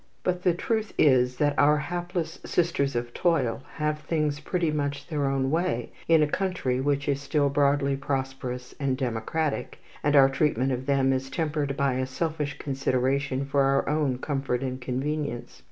But the truth is that our hapless sisters of toil have things pretty much their own way in a country which is still broadly prosperous and democratic, and our treatment of them is tempered by a selfish consideration for our own comfort and convenience.